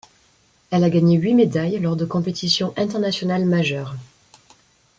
Elle a gagné huit médailles lors de compétitions internationales majeures.